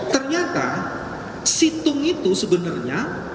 ternyata situng itu sebenarnya